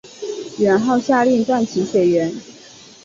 元昊下令断其水源。